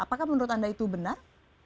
apakah menurut anda itu benar